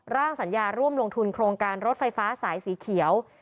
สัญญาร่วมลงทุนโครงการรถไฟฟ้าสายสีเขียว